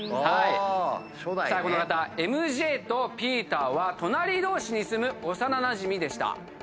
さあこの方ＭＪとピーターは隣同士に住む幼なじみでした。